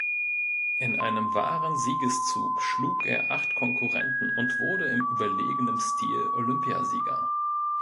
In einem wahren Siegeszug schlug er acht Konkurrenten und wurde in überlegenem Stil Olympiasieger.